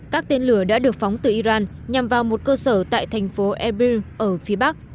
các tên lửa đã được phóng từ iran nhằm vào một cơ sở tại thành phố erbiu ở phía bắc